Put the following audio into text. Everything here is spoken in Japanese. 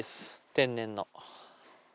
天然の。